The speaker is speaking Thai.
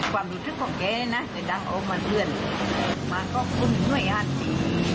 ความรู้สึกของแกนะเคยดังเอามาเรื่องมาก็คุ้มหน่วยอ่านสิ